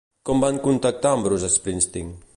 Com van contactar amb Bruce Springsteen?